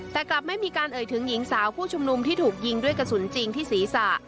แต่กลับไม่มีการเอ่ยถึงหญิงสาวผู้ชุมนุมที่ถูกยิงด้วยกระสุนจริงที่ศีรษะ